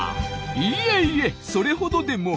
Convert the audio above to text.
いえいえそれほどでも。